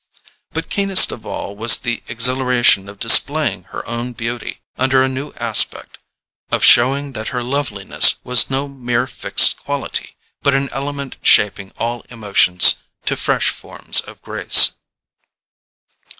But keenest of all was the exhilaration of displaying her own beauty under a new aspect: of showing that her loveliness was no mere fixed quality, but an element shaping all emotions to fresh forms of grace.